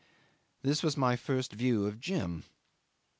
This was my first view of Jim.